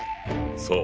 そう！